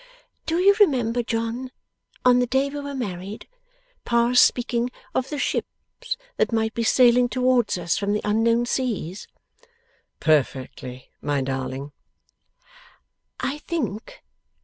'Do you remember, John, on the day we were married, Pa's speaking of the ships that might be sailing towards us from the unknown seas?' 'Perfectly, my darling!' 'I think...